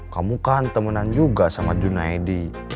kamu kan temenan juga sama junaidi